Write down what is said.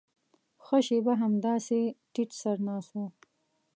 ښه شېبه همداسې ټيټ سر ناست و.